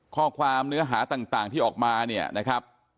ข้อความเนื้อหาต่างที่ออกมาเนี่ยนะครับ